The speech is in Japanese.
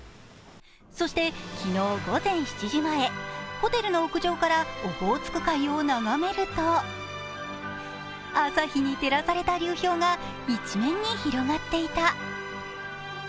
そして、昨日午前７時前ホテルの屋上からオホーツク海を眺めると朝日に照らされた流氷が一面に広がっていた。